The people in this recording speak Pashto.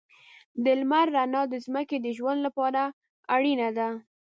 د لمر رڼا د ځمکې د ژوند لپاره اړینه ده.